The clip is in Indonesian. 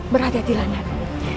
berada di lantai